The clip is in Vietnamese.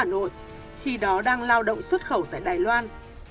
khi đó đang lao động xuất khẩu tại đài loan